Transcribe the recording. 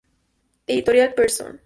Editorial Pearson